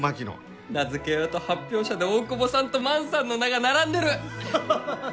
名付け親と発表者で大窪さんと万さんの名が並んでる！